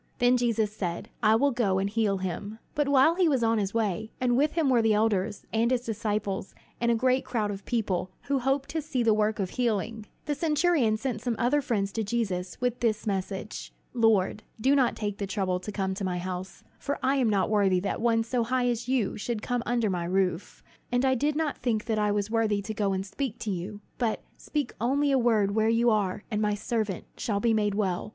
Then Jesus said, "I will go and heal him." But while he was on his way and with him were the elders, and his disciples, and a great crowd of people, who hoped to see the work of healing the centurion sent some other friends to Jesus with this message: "Lord, do not take the trouble to come to my house; for I am not worthy that one so high as you are should come under my roof; and I did not think that I was worthy to go and speak to you. But speak only a word where you are, and my servant shall be made well.